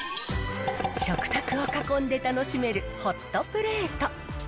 食卓を囲んで楽しめるホットプレート。